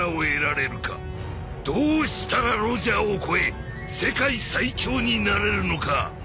どうしたらロジャーを超え世界最強になれるのか。